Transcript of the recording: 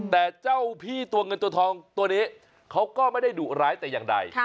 แต่เจ้าพี่ตัวเงินตัวทองตัวนี้เขาก็ไม่ได้ดุร้ายแต่อย่างใด